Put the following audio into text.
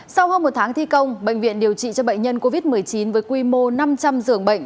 sau hơn một tháng thi công bệnh viện điều trị cho bệnh nhân covid một mươi chín với quy mô năm trăm linh giường bệnh